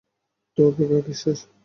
তো, অপেক্ষা কীসের?